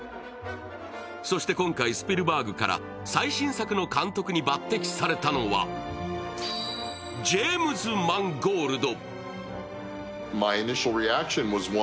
そして今回、スピルバーグから最新作の監督に抜てきされたのはジェームズ・マンゴールド。